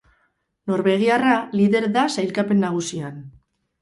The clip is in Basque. Norvegiarra lider da sailkapen nagusian.